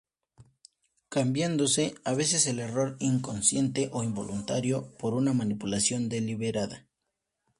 Cambiándose, a veces, el error inconsciente o involuntario por una manipulación deliberada.